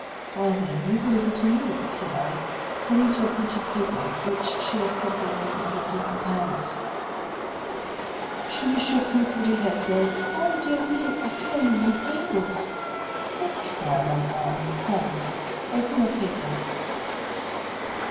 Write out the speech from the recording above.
" Well, then, read a little to me," said I, pointing to a printed paper which she held crumpled in one of her dimpled hands. She shook her pretty head, saying, —" Oh, dear me ! I can only read fables." " But try, my darling, come, open your paper."